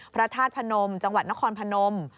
พระธาตุพนมจังหวัดนครพนม